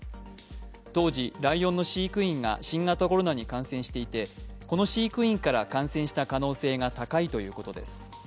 当時、ライオンの飼育員が新型コロナに感染していてこの飼育員から感染した可能性が高いということです。